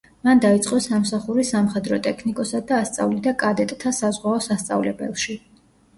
მან დაიწყო სამსახური სამხედრო ტექნიკოსად და ასწავლიდა კადეტთა საზღვაო სასწავლებელში.